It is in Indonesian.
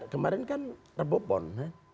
kemarin kan rebupon